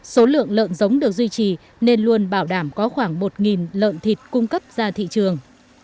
số lượng lợn giống được duy trì nên luôn bảo đảm có khoảng một lợn thịt cung cấp ra thị trường